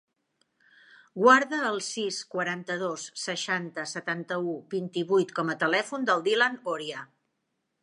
Guarda el sis, quaranta-dos, seixanta, setanta-u, vint-i-vuit com a telèfon del Dylan Oria.